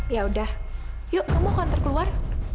ya udah yuk kamu mau ke kantor keluar